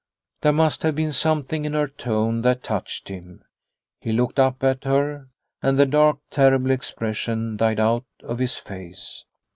There must have been something in her tone that touched him. He looked up at her, and the dark, terrible expression died out of his face.